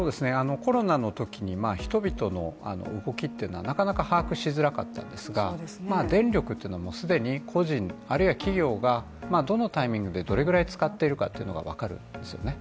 コロナのときに人々の動きというのはなかなか把握しづらかったんですが電力は既に個人、あるいは企業がどのタイミングでどのぐらい使っているのかが分かるんですよね